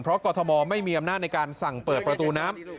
เพราะกรทมไม่มีอำนาจในการสั่งเปิดประตูน้ำ